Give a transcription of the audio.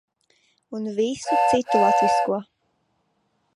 Un visu citu latvisko.